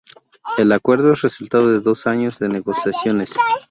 El acuerdo es resultado de dos años de negociaciones.